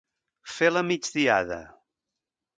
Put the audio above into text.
Fer la migdiada.